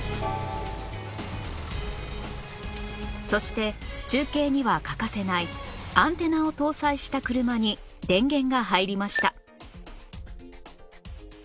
そして中継には欠かせないアンテナを搭載した車に電源が入りました